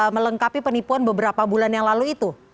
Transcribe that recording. melengkapi penipuan beberapa bulan yang lalu itu